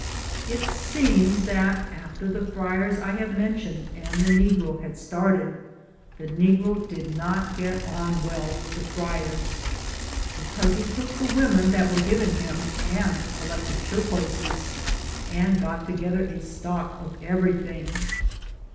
It seems that, after the friars I have men tioned and the negro had started, the negro did not get on well with the friars, because he took the women that were given him and collected turquoises, and got together a stock of everything.